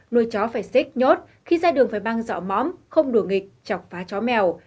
nuôi chó phải xích nhốt khi ra đường phải băng dọ mõm không đủ nghịch chọc phá chó mèo